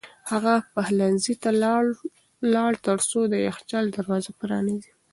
هغه پخلنځي ته لاړ ترڅو د یخچال دروازه پرانیزي.